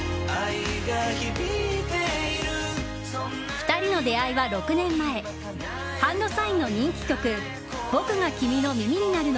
２人の出会いは６年前ＨＡＮＤＳＩＧＮの人気曲「僕が君の耳になる」の